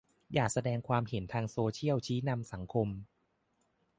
อย่าแสดงความเห็นทางโซเชียล ชี้นำสังคม